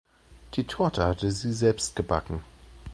Die Torte hatte sie selbst gebacken.